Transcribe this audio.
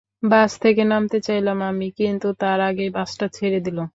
বাস থেকে নামতে চাইলাম আমি, কিন্তু তার আগেই বাসটা ছেড়ে দিল।